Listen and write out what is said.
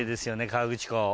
河口湖。